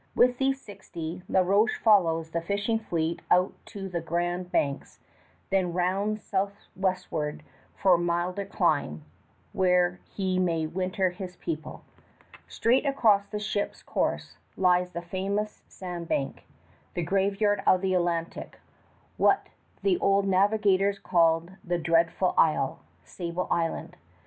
With these sixty La Roche follows the fishing fleet out to the Grand Banks, then rounds southwestward for milder clime, where he may winter his people. Straight across the ship's course lies the famous sand bank, the graveyard of the Atlantic, what the old navigators called "the dreadful isle," Sable Island.